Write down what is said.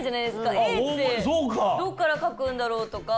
Ａってどこから書くんだろうとか。